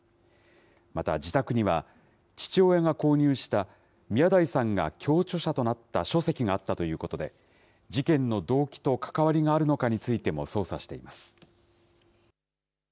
また、自宅には、父親が購入した宮台さんが共著者となった書籍があったということで、事件の動機と関わりがあるのかについても捜査しています。